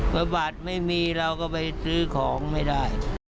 บาทไม่มีเราก็ไปซื้อของไม่ได้